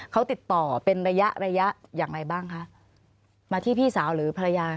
เขาติดต่อเป็นระยะระยะอย่างไรบ้างคะมาที่พี่สาวหรือภรรยา